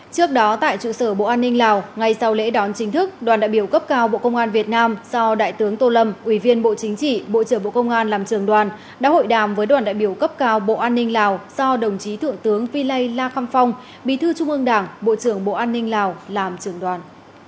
trước đó tại trụ sở bộ an ninh lào ngay sau lễ đón chính thức đoàn đại biểu cấp cao bộ công an việt nam do đại tướng tô lâm ủy viên bộ chính trị bộ trưởng bộ công an làm trường đoàn đã hội đàm với đoàn đại biểu cấp cao bộ an ninh lào do đồng chí thượng tướng phi lây la kham phong bí thư trung ương đảng bộ trưởng bộ an ninh lào làm trưởng đoàn